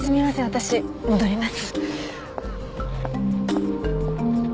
私戻ります。